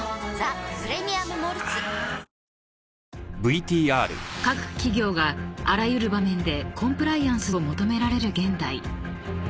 あー［各企業があらゆる場面でコンプライアンスを求められる現代］